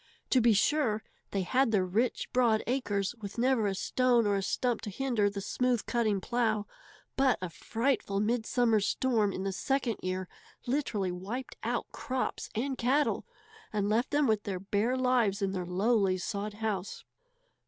To be sure, they had their rich, broad acres, with never a stone or a stump to hinder the smooth cutting plow, but a frightful midsummer storm in the second year literally wiped out crops and cattle, and left them with their bare lives in their lowly sod house.